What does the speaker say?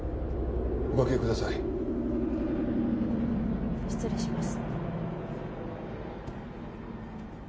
おかけください失礼します